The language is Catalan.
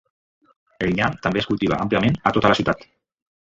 El nyam també es cultiva àmpliament a tota la ciutat.